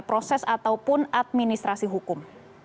proses ataupun administrasi hukum